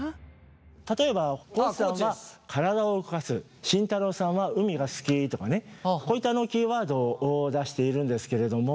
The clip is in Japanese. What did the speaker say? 例えば地さんは「体を動かす」慎太郎さんは「海が好き」とかねこういったキーワードを出しているんですけれども。